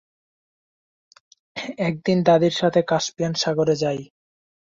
একদিন দাদীর সাথে কাসপিয়ান সাগরে যাই।